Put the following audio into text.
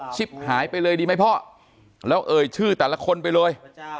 หายไปเลยดีไหมพ่อแล้วเอ่ยชื่อแต่ละคนไปเลย